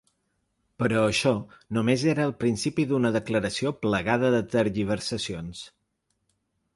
Però això només era el principi d’una declaració plagada de tergiversacions.